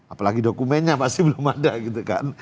apalagi dokumennya pasti belum ada gitu kan